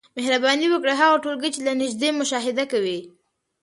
مهرباني وکړئ هغه ټولګي چي له نیژدې مشاهده کوی